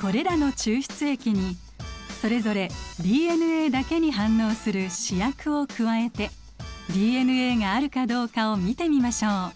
これらの抽出液にそれぞれＤＮＡだけに反応する試薬を加えてＤＮＡがあるかどうかを見てみましょう。